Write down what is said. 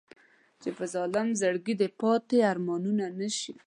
چې په ظالم زړګي دې پاتې ارمانونه نه شي.